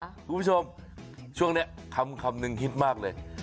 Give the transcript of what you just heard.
คุณผู้ชมช่วงนี้คำนึงฮิตมากเลย